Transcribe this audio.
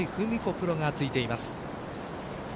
プロがついています。